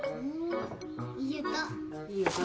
いい音。